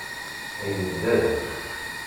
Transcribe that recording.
Ibeddel.